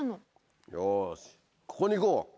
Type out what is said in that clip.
よしここに行こう。